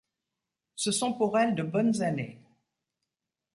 Ce sont pour elle de bonnes années.